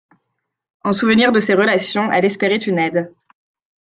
En souvenir de ces relations, elle espérait une aide.